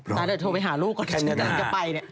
ถ้าเติมโทรไปหารุ่กก็จะดินจริงก็ไปเนี่ย